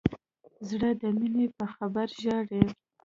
زړه د مینې په خبر ژاړي.